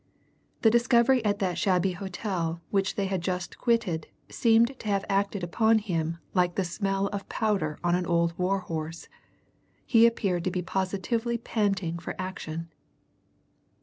The discovery at that shabby hotel which they had just quitted seemed to have acted on him like the smell of powder on an old war horse; he appeared to be positively panting for action.